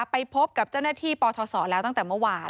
ไปพบกับเจ้าหน้าที่ปทศแล้วตั้งแต่เมื่อวาน